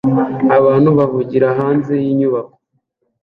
abantu bavugira hanze yinyubako